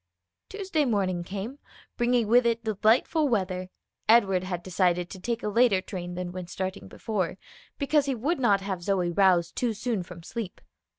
Tuesday morning came, bringing with it delightful weather; Edward had decided to take a later train than when starting before, because he would not have Zoe roused too soon from sleep.